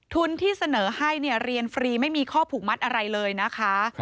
ที่เสนอให้เรียนฟรีไม่มีข้อผูกมัดอะไรเลยนะคะ